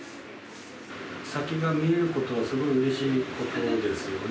先が見えることはすごいうれしいことですよね。